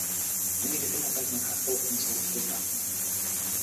Миний хэдэн удаагийн хатуухан сорилтыг давсан хүн дээ.